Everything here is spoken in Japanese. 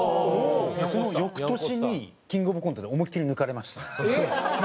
その翌年にキングオブコントで思いっきり抜かれました。